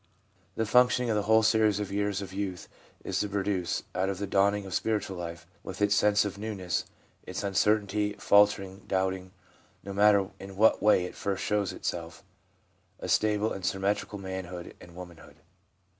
The function of the whole series of years of youth is to produce, out of the dawning spiritual life, with its sense of newness, its uncertainty, faltering, doubting — no matter in what way it first shows itself — a stable and symmetrical manhood and womanhood.